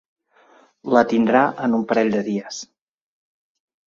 La tindrà en un parell de dies.